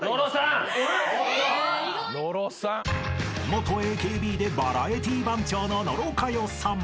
［元ＡＫＢでバラエティー番長の野呂佳代さん］